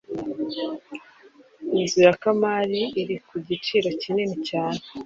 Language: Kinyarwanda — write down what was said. Inzu ya Kamali iri kugiciro kinini cyane